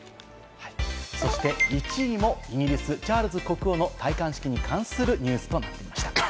１位もイギリス、チャールズ国王の戴冠式に関するニュースとなりました。